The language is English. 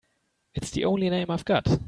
It's the only name I've got.